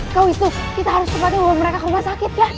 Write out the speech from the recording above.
kau istri kita harus kembali bawa mereka ke rumah sakit ya